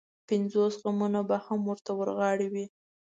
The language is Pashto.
پنځوس غمونه به هم ورته ورغاړې وي.